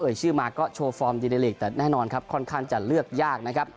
ชื่อมาก็โชว์ฟอร์มดีในลีกแต่แน่นอนครับค่อนข้างจะเลือกยากนะครับ